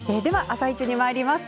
「あさイチ」にまいります。